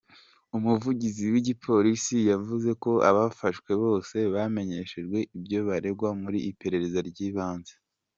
Umuvugizi w’igipolisi yavuze ko abafashwe bose bamenyeshejwe ibyo baregwa mu iperereza ry’ibanze.